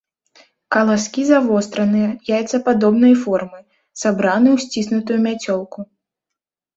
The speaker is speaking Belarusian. Каласкі завостраныя, яйцападобнай формы, сабраны ў сціснутую мяцёлку.